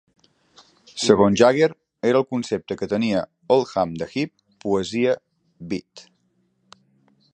Segons Jagger, era el concepte que tenia Oldham de hip, poesia Beat.